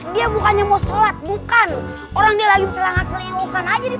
dia bukannya mau sholat bukan orangnya lagi